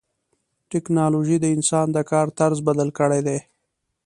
ټکنالوجي د انسان د کار طرز بدل کړی دی.